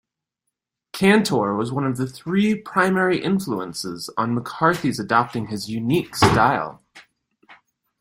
Kantor was one of three primary influences on McCarthy's adopting his unique style.